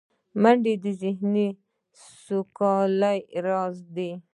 منډه د ذهني سوکالۍ راز دی